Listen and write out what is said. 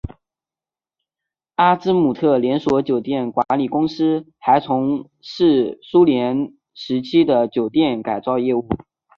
阿兹姆特连锁酒店管理公司还从事苏联时期的酒店改造业务。